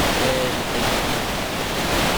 El "Ltd.